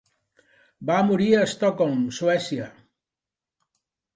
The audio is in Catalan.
Va morir a Estocolm, Suècia.